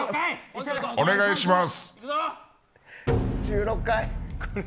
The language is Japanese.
お願いします。